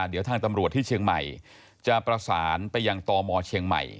เดี๋ยวทางตำรวจที่เชียงใหม่จะประสานไปยังตมเชียงใหม่